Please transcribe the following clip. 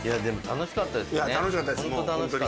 楽しかったです